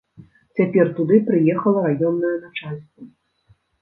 Цяпер туды прыехала раённае начальства.